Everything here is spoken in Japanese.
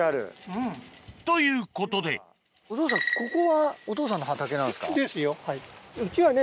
うん。ということでお父さんここはお父さんの畑なんですか？ですよ。